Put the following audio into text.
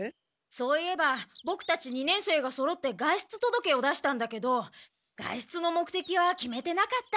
そういえばボクたち二年生がそろって外出とどけを出したんだけど外出の目的は決めてなかった。